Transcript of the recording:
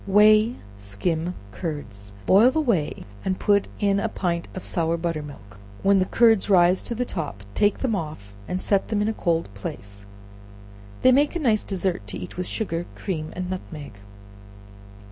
Whey Skim Curds. Boil the whey, and put in a pint of sour butter milk; when the curds rise to the top take them off, and set them in a cold place; they make a nice dessert to eat with sugar, cream and nutmeg.